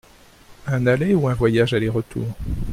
Un aller ou un voyage aller-retour ?